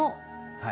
はい。